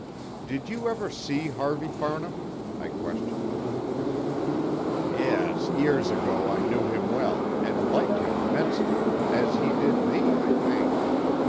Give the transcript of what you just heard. "Did you ever see Harvey Farnham?" I questioned. "Yes, years ago I knew him well, and liked him immensely as he did me, I think.